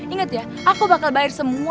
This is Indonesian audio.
ingat ya aku bakal bayar semua